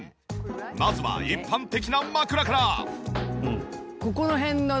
まずは一般的な枕から。